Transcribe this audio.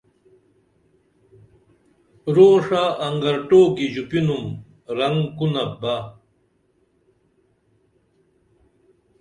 روݜہ انگرٹوکی ژوپینُم رنگ کونپ بہ